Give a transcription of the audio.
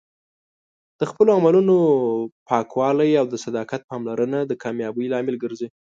د خپلو عملونو پاکوالی او د صداقت پاملرنه د کامیابۍ لامل ګرځي.